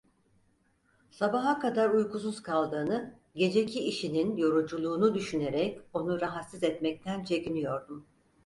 Sabaha kadar uykusuz kaldığını, geceki işinin yoruculuğunu düşünerek onu rahatsız etmekten çekiniyordum.